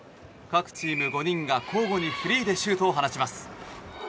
各チーム５人が交互にフリーでシュートを放ちます。